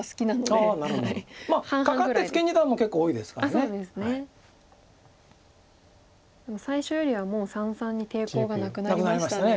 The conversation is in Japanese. でも最初よりはもう三々に抵抗がなくなりましたね。